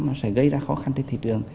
mà sẽ gây ra khó khăn trên thị trường